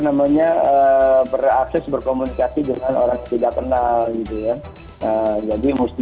namanya berakses berkomunikasi dengan orang yang tidak kenal